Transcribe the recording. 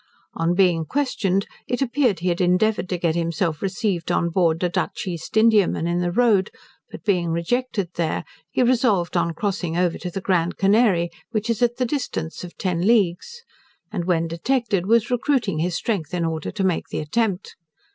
On being questioned, it appeared he had endeavoured to get himself received on board a Dutch East Indiaman in the road; but being rejected there, he resolved on crossing over to the Grand Canary, which is at the distance of ten leagues, and when detected, was recruiting his strength in order to make the attempt.